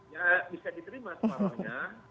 ya bisa diterima sebarangnya